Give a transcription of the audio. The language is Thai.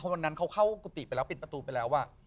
วันนั้นเขาเข้ากุฏิไปแล้วปิดประตูไปแล้ว